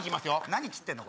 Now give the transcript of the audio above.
何切ってんの？